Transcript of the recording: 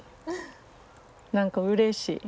何かうれしい。